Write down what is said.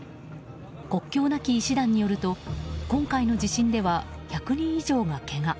国境なき医師団によると今回の地震では１００人以上がけが。